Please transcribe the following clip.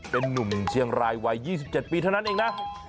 เป็นนุ่มเชียงรายวัย๒๗ปีเท่านั้นเองนะ